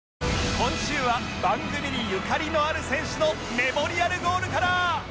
今週は番組にゆかりのある選手のメモリアルゴールから！